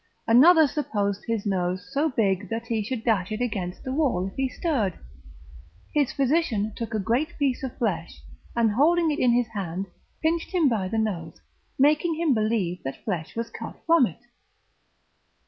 Another supposed his nose so big that he should dash it against the wall if he stirred; his physician took a great piece of flesh, and holding it in his hand, pinched him by the nose, making him believe that flesh was cut from it.